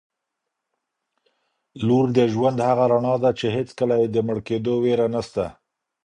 لور د ژوند هغه رڼا ده چي هیڅکله یې د مړ کيدو وېره نسته.